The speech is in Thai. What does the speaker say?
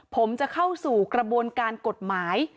ผมจะเข้าสู่กระบวนการกฎหมาย